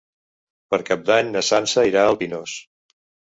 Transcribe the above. Per Cap d'Any na Sança irà al Pinós.